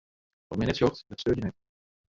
Wat men net sjocht, dat steurt jin net.